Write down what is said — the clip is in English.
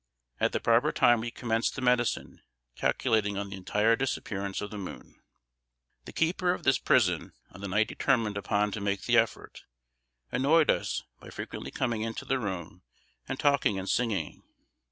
At the proper time we commenced the medicine, calculating on the entire disappearance of the moon." "The keeper of this prison, on the night determined upon to make the effort, annoyed us by frequently coming into the room, and talking and singing.